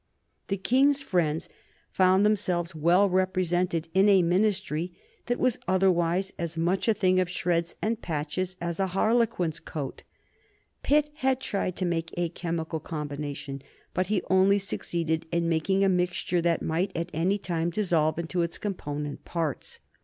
The King's friends found themselves well represented in a Ministry that was otherwise as much a thing of shreds and patches as a harlequin's coat. Pitt had tried to make a chemical combination, but he only succeeded in making a mixture that might at any time dissolve into its component parts.